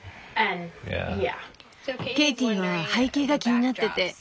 ケイティは背景が気になってて。